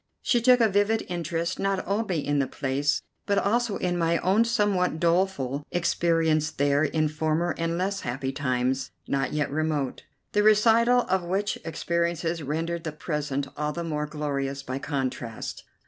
She took a vivid interest, not only in the place, but also in my own somewhat doleful experience there in former and less happy times, not yet remote, the recital of which experiences rendered the present all the more glorious by contrast.